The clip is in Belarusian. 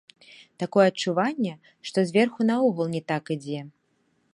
Такое адчуванне, што зверху наогул не так ідзе.